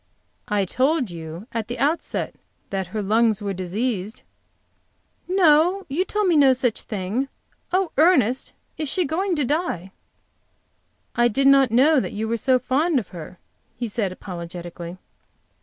"I told you at the outset that her lungs were diseased." "No, you told me no such thing. Oh, Ernest, is she going to die?" "I did not know you were so fond of her," he said, apologetically.